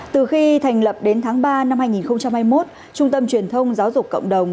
từ khi thành lập đến tháng ba năm hai nghìn hai mươi một trung tâm truyền thông giáo dục cộng đồng